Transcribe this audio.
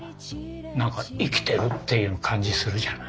何か生きてるっていう感じするじゃない。